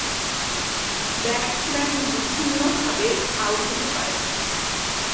Batsman বিভিন্নভাবে out হতে পারে।